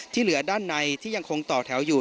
เหลือด้านในที่ยังคงต่อแถวอยู่